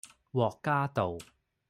獲嘉道